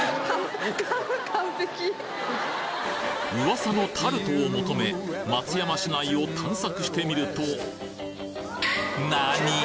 噂のタルトを求め松山市内を探索してみると何！？